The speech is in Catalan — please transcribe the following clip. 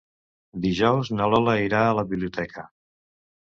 Dijous na Lola irà a la biblioteca.